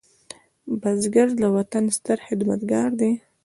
بزګر د وطن ستر خدمتګار دی